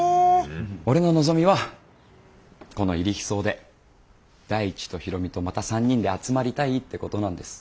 俺の望みはこの入日荘で大地と大海とまた３人で集まりたいってことなんです。